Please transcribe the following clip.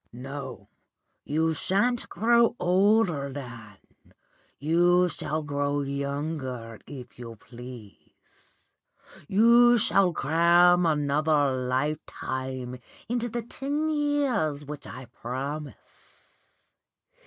No, you shan't grow older, Dan, you shall grow younger if you please. You shall cram another lifetime into the ten years which I promise.